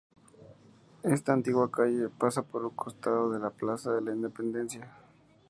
Esta antigua calle, pasa por un costado de la Plaza de la Independencia.